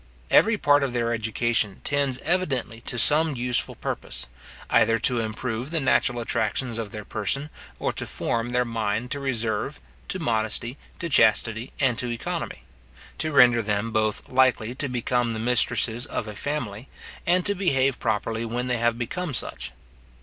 Every part of their education tends evidently to some useful purpose; either to improve the natural attractions of their person, or to form their mind to reserve, to modesty, to chastity, and to economy; to render them both likely to became the mistresses of a family, and to behave properly when they have become such.